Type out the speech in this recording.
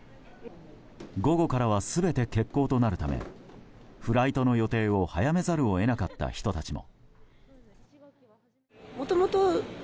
午後からは全て欠航となるためフライトの予定を早めざるを得なかった人たちも。